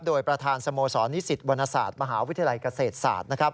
โดยประธานสโมสรนิสิตวรรณศาสตร์มหาวิทยาลัยเกษตรศาสตร์